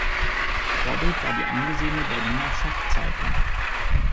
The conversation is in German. Vorbild war die angesehene Berliner "Schachzeitung".